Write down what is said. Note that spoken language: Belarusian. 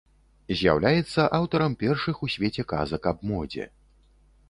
З'яўляецца аўтарам першых у свеце казак аб модзе.